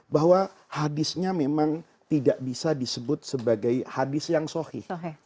bahwa hadisnya memang tidak bisa disebut sebagai hadis yang sohih